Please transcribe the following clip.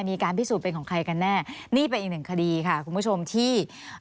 มีการพิสูจน์เป็นของใครกันแน่นี่เป็นอีกหนึ่งคดีค่ะคุณผู้ชมที่